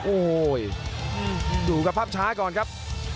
โอ้โหดูครับภาพช้าก่อนครับ